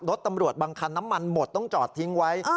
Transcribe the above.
รถตำรวจบางคันน้ำมันหมดต้องจอดทิ้งไว้